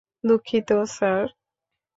দুঃখিত, স্যার!